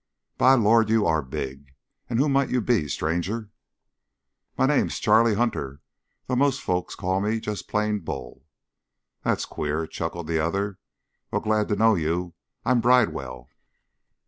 "By the Lord, you are big. And who might you be, stranger?" "My name's Charlie Hunter; though mostly folks call me just plain Bull." "That's queer," chuckled the other. "Well, glad to know you. I'm Bridewell."